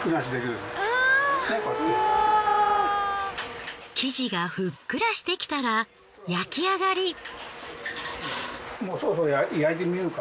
生地がふっくらしてきたら焼き上がり。